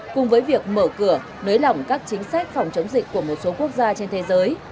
cùng với việc mở cửa nới lỏng các chính sách phòng chống dịch của một số quốc gia trên thế giới